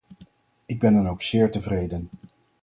Ik ben dan ook zeer tevreden.